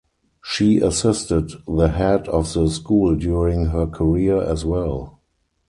She assisted the head of the school during her career as well.